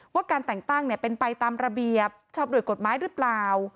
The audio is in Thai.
ว่าการแต่งตั้งเป็นไปตามระเบียบชอบด้วยกฎหมายหรือเปล่า